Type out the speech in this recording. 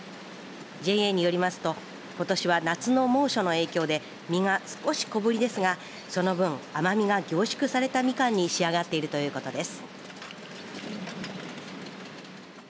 ＪＡによりますとことしは夏の猛暑の影響で実が少し小ぶりですがその分甘みが凝縮されたみかんに仕上がっているということです。